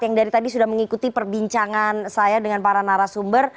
yang dari tadi sudah mengikuti perbincangan saya dengan para narasumber